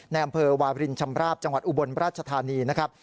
ในอำเภอวารินชำราบจังหวัดอุบลราชธานีนะครับ